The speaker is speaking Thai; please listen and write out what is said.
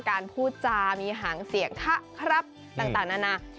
การพูดจามีหางเสียงทะครับต่างนานา